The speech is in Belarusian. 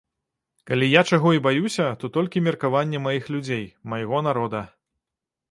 Калі я чаго і баюся, то толькі меркавання маіх людзей, майго народа.